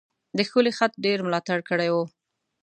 د ښکلی خط ډیر ملاتړ کړی و.